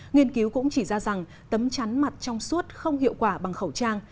nghiên cứu cũng chỉ ra rằng tấm chắn mặt trong suốt không hiệu quả bằng khẩu trang